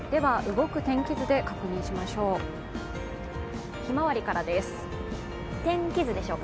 動く天気図で確認しましょう。